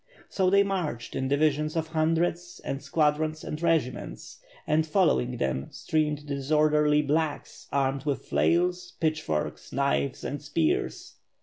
So they marched in divisions of hundreds and squadrons and regiments and following them streamed the disorderly "blacks" armed with flails, pitch forks, knives and spears.